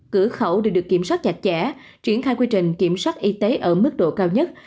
cửa khẩu đều được kiểm soát chặt chẽ triển khai quy trình kiểm soát y tế ở mức độ cao nhất